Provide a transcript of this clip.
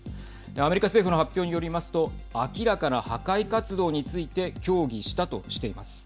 アメリカ政府の発表によりますと明らかな破壊活動について協議したとしています。